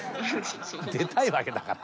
出たいわけだから。